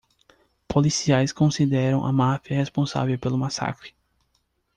Policiais consideram a máfia responsável pelo massacre.